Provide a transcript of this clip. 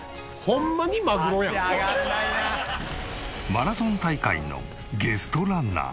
マラソン大会のゲストランナー。